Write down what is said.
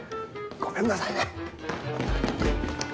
ごめんなさいね。